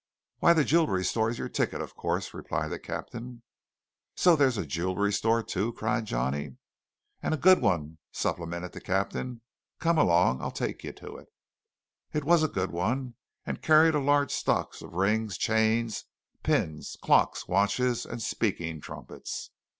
"Why, the jewellery store is your ticket, of course," replied the captain. "So there's a jewellery store, too!" cried Johnny. "And a good one," supplemented the captain. "Come along; I'll take you to it." It was a good one, and carried a large stock of rings, chains, pins, clocks, watches, and speaking trumpets.